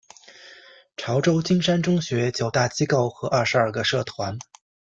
潮州金山中学九大机构和二十二个社团。